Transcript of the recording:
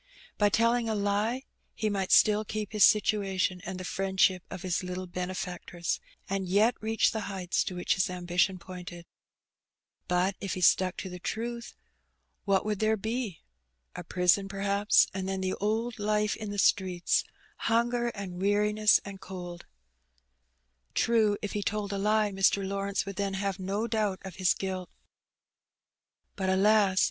By A Tekrible Alternative. 161 telling a lie he might still keep his situation and the friend ship of his little benefactress, and yet reach the heights to which his ambition pointed. Bat if he stuck to the truth, what would there be? A prison, perhaps, and then the old life in the streets — ^hunger and weariness and cold. True, if he told a lie Mr. Lawrence would then have no doubt of his guilt. But, alas